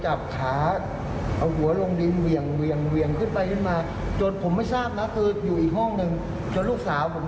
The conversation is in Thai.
จนลูกสาวผมทนไม่ได้ต้องบอกที่บ้านเราก็ทำอย่างนี้อย่างนี้กับลูก